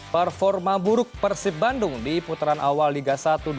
performa buruk persib bandung di putaran awal liga satu dua ribu dua puluh